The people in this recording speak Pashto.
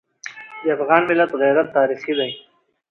د افغان ملت غیرت تاریخي دی.